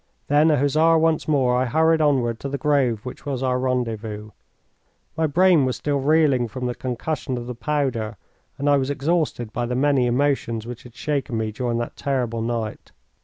Then, a Hussar once more, I hurried onward to the grove which was our rendezvous. My brain was still reeling from the concussion of the powder, and I was exhausted by the many emotions which had shaken me during that terrible night.